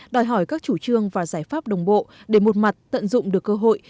đòi hỏi các chủ trương và giải pháp đồng bộ để một mặt tận dụng được cơ hội